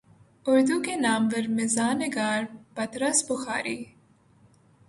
اردو کے نامور مزاح نگار پطرس بخاری